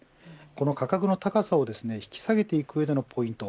この価格の高さを引き下げていく上でのポイント